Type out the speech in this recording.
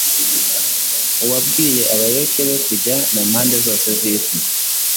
Uwabwiye abayoboke be kujya mu mpande zose z’isi